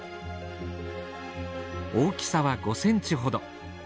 大きさは５センチほど。